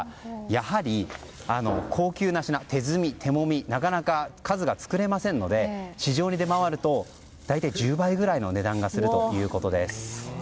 やはり、高級な品手摘みで手もみなので数が作れませんので市場に出回ると大体１０倍くらいの値段がするということです。